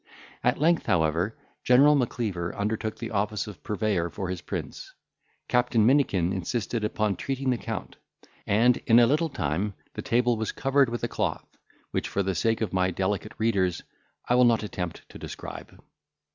At length, however, General Macleaver undertook the office of purveyor for his prince; Captain Minikin insisted upon treating the Count; and in a little time the table was covered with a cloth, which, for the sake of my delicate readers, I will not attempt to describe.